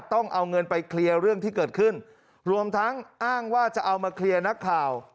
ต้องเอาเงินไปเคลียร์เรื่องที่เกิดขึ้นรวมทั้งอ้างว่าจะเอามาเคลียร์นักข่าว